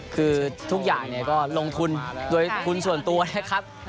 คือทุกอย่างเนี่ยก็ลงทุนด้วยส่วนตัวนะครับ